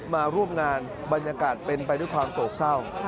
มาร่วมงานบรรยากาศเป็นไปด้วยความโศกเศร้า